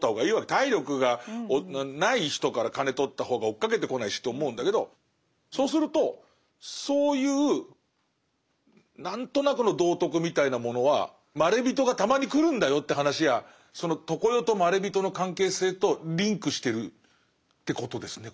体力がない人から金とった方が追っかけてこないしと思うんだけどそうするとそういう何となくの道徳みたいなものはまれびとがたまに来るんだよって話やその常世とまれびとの関係性とリンクしてるってことですね